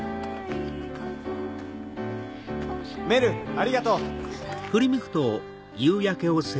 メルありがとう！